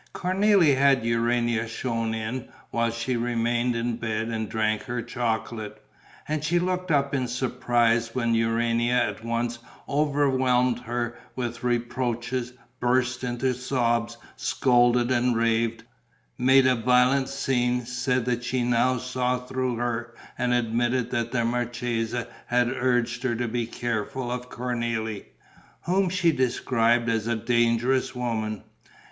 Cornélie had Urania shown in, while she remained in bed and drank her chocolate. And she looked up in surprise when Urania at once overwhelmed her with reproaches, burst into sobs, scolded and raved, made a violent scene, said that she now saw through her and admitted that the marchesa had urged her to be careful of Cornélie, whom she described as a dangerous woman.